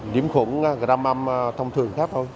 nhiễm khuẩn gram mâm thông thường khác thôi